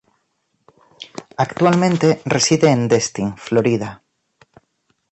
Actualmente reside en Destin, Florida.